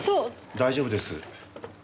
大丈夫です。